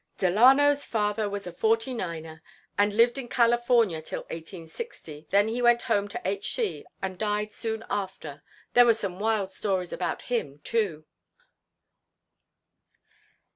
"Delano's father was a Forty niner, and lived in California till 1860, when he went home to H. C. and died soon after. There were wild stories about him, too."